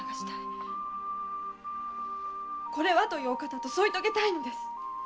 これはというお方と添い遂げたいのです！